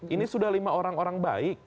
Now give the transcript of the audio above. ini sudah lima orang orang baik